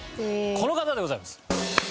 この方でございます。